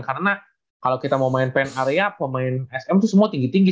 karena kalau kita mau main pn area pemain sm tuh semua tinggi tinggi